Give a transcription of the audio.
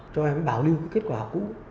cho em bảo lưu kết quả học cũ